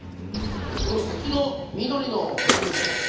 この先の緑の部分もですね